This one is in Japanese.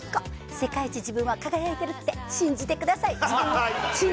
世界一自分は輝いてるって信じてください。